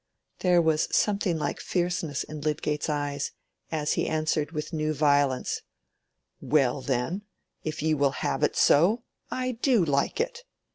There was something like fierceness in Lydgate's eyes, as he answered with new violence, "Well, then, if you will have it so, I do like it.